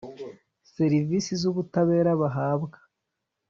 serivisi z ubutabera bahabwa